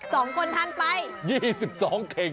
สองคนทานไป๒๒เข็ง